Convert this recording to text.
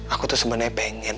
aku tuh sebenernya pengen